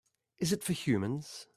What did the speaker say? Is it for humans?